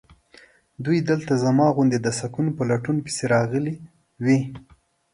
دوی دلته زما غوندې د سکون په لټون پسې راغلي وي.